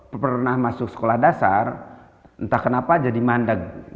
pernah masuk sekolah dasar entah kenapa jadi mandat